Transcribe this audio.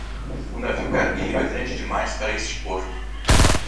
O navio cargueiro é grande demais para este porto.